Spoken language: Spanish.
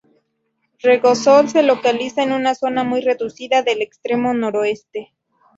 Regosol: se localiza en una zona muy reducida del extremo noroeste.